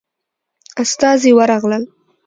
استازي ورغلل.